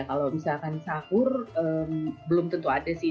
kalau misalkan sahur belum tentu ada sih